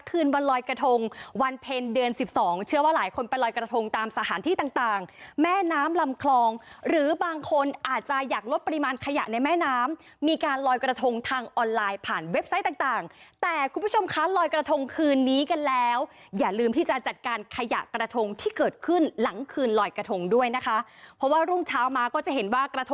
คืนวันลอยกระทงวันเพ็ญเดือนสิบสองเชื่อว่าหลายคนไปลอยกระทงตามสถานที่ต่างต่างแม่น้ำลำคลองหรือบางคนอาจจะอยากลดปริมาณขยะในแม่น้ำมีการลอยกระทงทางออนไลน์ผ่านเว็บไซต์ต่างต่างแต่คุณผู้ชมคะลอยกระทงคืนนี้กันแล้วอย่าลืมที่จะจัดการขยะกระทงที่เกิดขึ้นหลังคืนลอยกระทงด้วยนะคะเพราะว่ารุ่งเช้ามาก็จะเห็นว่ากระท